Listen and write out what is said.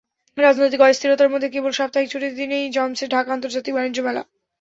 রাজনৈতিক অস্থিরতার মধ্যে কেবল সাপ্তাহিক ছুটির দুই দিনেই জমছে ঢাকা আন্তর্জাতিক বাণিজ্য মেলা।